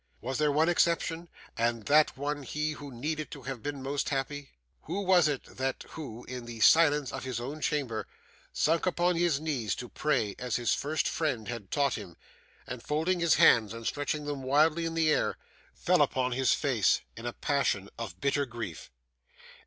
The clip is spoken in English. Was there one exception, and that one he who needed to have been most happy? Who was that who, in the silence of his own chamber, sunk upon his knees to pray as his first friend had taught him, and folding his hands and stretching them wildly in the air, fell upon his face in a passion of bitter grief?